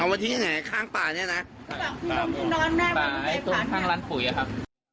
เอามาทิ้งไหนข้างป่านี่นะตรงข้างร้านขุยครับ